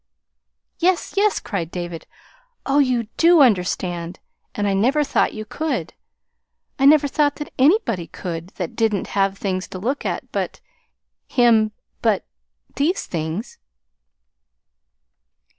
"Yes, yes," cried David. "Oh, you DO understand. And I never thought you could. I never thought that anybody could that did n't have anything to look at but him but these things."